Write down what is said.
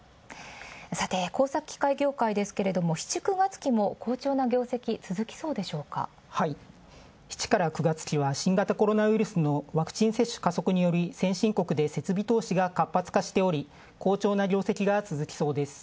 さて、工作機械業界、７−９月期も好調な業績続きそうですが７から９月期は新型コロナウイルスのワクチン接種による先進国で設備投資が活発化しており続きそうです。